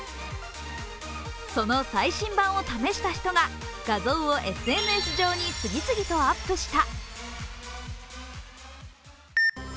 その最新版を試した人が画像をＳＮＳ上に次々とアップした。